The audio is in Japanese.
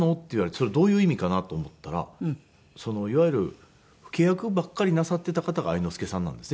それどういう意味かなと思ったらいわゆる老け役ばっかりなさっていた方が愛之助さんなんですね。